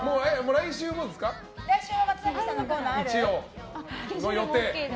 来週は松崎さんのコーナーある？